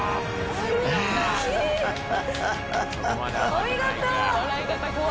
お見事！